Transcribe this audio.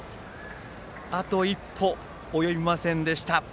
あと一歩及びませんでした。